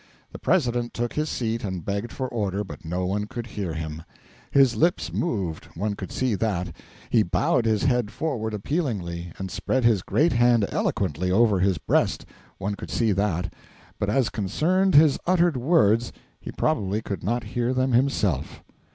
The President took his seat and begged for order, but no one could hear him. His lips moved one could see that; he bowed his body forward appealingly, and spread his great hand eloquently over his breast one could see that; but as concerned his uttered words, he probably could not hear them himself.